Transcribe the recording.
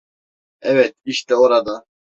Evet, işte orada.